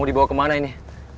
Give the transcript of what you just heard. mau dibawa kemana ini